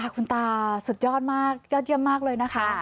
คุณตาสุดยอดมากยอดเยี่ยมมากเลยนะคะ